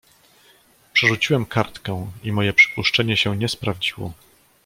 "Przerzuciłem kartkę i moje przypuszczenie się nie sprawdziło."